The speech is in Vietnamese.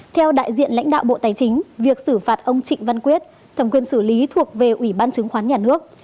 theo đại diện lãnh đạo bộ tài chính việc xử phạt ông trịnh văn quyết thẩm quyền xử lý thuộc về ủy ban chứng khoán nhà nước